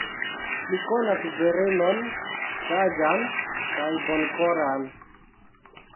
Mi konas virinon saĝan kaj bonkoran.